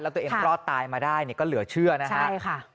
ตัวเองรอดตายมาได้เนี่ยก็เหลือเชื่อนะฮะใช่ค่ะ